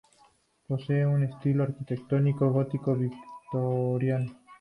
Posee un estilo arquitectónico gótico victoriano.